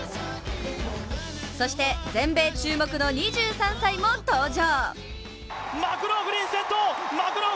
そして全米注目の２３歳も登場。